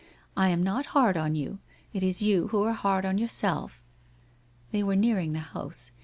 I am not hard on you, it is you who are hard on yourself ' They were nearing the house.